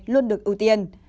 luôn được ưu tiên